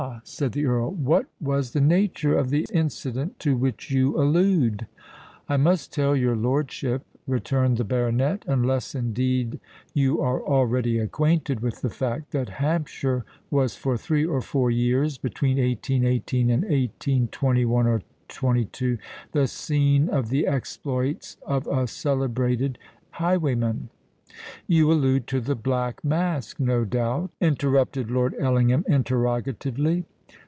said the Earl. "What was the nature of the incident to which you allude?" "I must tell your lordship," returned the baronet,—"unless, indeed, you are already acquainted with the fact,—that Hampshire was for three or four years—between 1818 and 1821 or 22—the scene of the exploits of a celebrated highwayman——" "You allude to the Black Mask, no doubt?" interrupted Lord Ellingham interrogatively.